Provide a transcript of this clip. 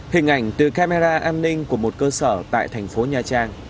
hình ảnh từ camera an ninh của một cơ sở tại thành phố nha trang